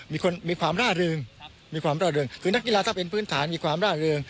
มีความร่าเริงมีความร่าเริงคือนักกีฬาถ้าเป็นพื้นฐานมีความร่าเริง